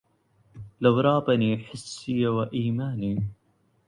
لو رابني حسي وإيماني